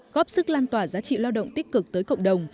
góp sức lan tỏa giá trị lao động tích cực tới cộng đồng